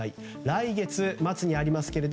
来月末にあります